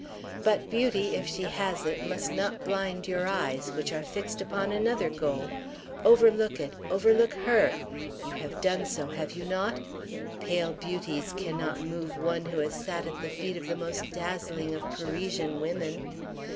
But beauty, if she has it, must not blind your eyes, which are fixed upon another goal. Overlook it; overlook her you have done so, have you not? Pale beauties cannot move one who has sat at the feet of the most dazzling of Parisian women.